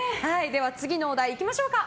次のお題いきましょうか。